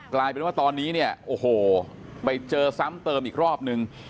กลายเป็นว่าตอนนี้เนี่ยโอ้โหไปเจอซ้ำเติมอีกรอบนึง